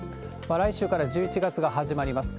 来週から１１月が始まります。